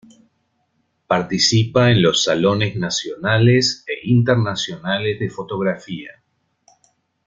Participa en los Salones Nacionales e Internacionales de Fotografía.